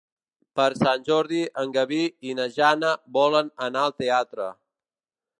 Per Sant Jordi en Garbí i na Jana volen anar al teatre.